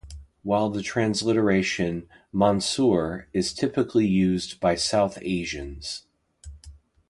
While the transliteration "Mansoor" is typically used by South Asians.